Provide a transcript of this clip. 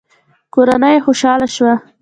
کورنۍ يې خوشاله شوه.